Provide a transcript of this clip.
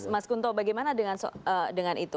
mas kunto bagaimana dengan itu